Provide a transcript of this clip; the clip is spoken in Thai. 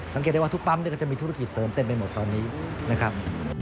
สังเกตได้ว่าทุกปั๊มก็จะมีธุรกิจเสริมเต็มไปหมดตอนนี้นะครับ